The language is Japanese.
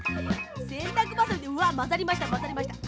せんたくばさみでうわまざりましたまざりました。